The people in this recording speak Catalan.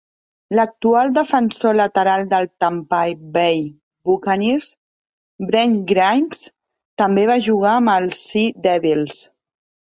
L'actual defensor lateral del Tampay Bay Buccaneers, Brent Grimes, també va jugar amb els Sea Devils.